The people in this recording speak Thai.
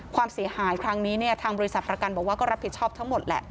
ความเสียหายครั้งนี้เนี่ยทางบริษัทประกันบอกว่าก็รับผิดชอบทั้งหมดแหละ